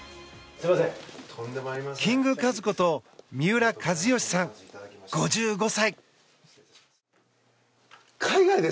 キングカズこと三浦知良さん、５５歳。